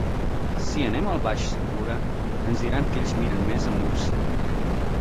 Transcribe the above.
Si anem al Baix Segura, ens diran que ells miren més a Múrcia.